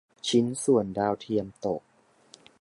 ชิ้นส่วนดาวเทียมตก